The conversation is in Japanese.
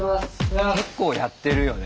結構やってるよね。